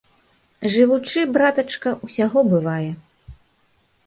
Жывучы, братачка, усяго бывае.